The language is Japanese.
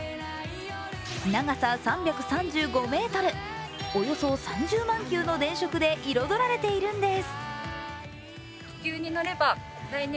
長さ３３５ｍ、およそ３０万球の電飾で彩られているんです。